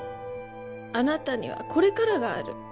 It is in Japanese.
「あなたにはこれからがある」